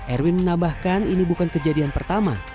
erwin menambahkan ini bukan kejadian pertama